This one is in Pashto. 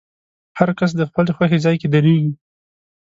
هر کس د خپلې خوښې ځای کې درېږي.